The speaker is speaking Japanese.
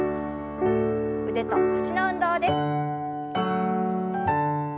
腕と脚の運動です。